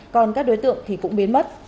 còn các đối tượng thì cũng biến mất